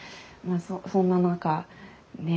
そんな中ね